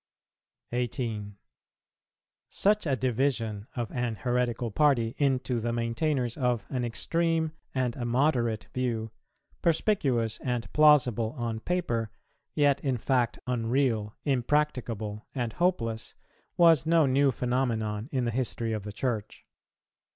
18. Such a division of an heretical party, into the maintainers, of an extreme and a moderate view, perspicuous and plausible on paper, yet in fact unreal, impracticable, and hopeless, was no new phenomenon in the history of the Church.